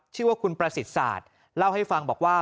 ชื่อว่าคุณประสิทธิ์ศาสตร์เล่าให้ฟังบอกว่า